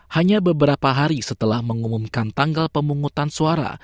hanya beberapa hari setelah mengumumkan tanggal pemungutan suara